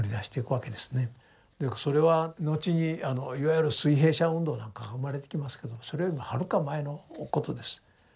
それは後にいわゆる水平社運動なんかが生まれてきますけどもそれよりもはるか前のことです。